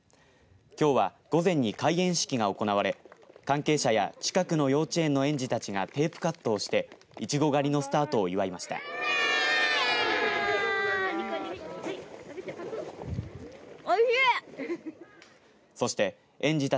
きょうは午前に開園式が行われ関係者や近くの幼稚園の園児たちがテープカットをしていちご狩りのスタートを祝いました。